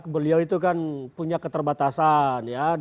beliau itu kan punya keterbatasan ya